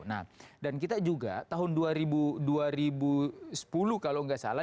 nah dan kita juga tahun dua ribu sepuluh kalau nggak salah